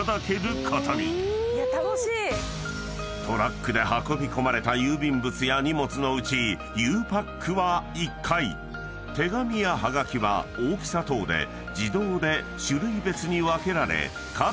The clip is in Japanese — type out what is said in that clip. ［トラックで運び込まれた郵便物や荷物のうちゆうパックは１階手紙やハガキは大きさ等で自動で種類別に分けられ各フロアへ］